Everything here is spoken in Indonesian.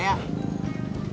dia mau ke rumah